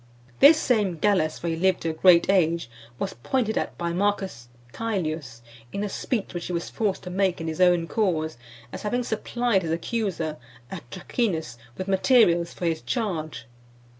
This same Gallus, for he lived to a great age, was pointed at by M. Caelius, in a speech which he was forced to make in his own cause, as having supplied his accuser, Atracinus , with materials for his charge.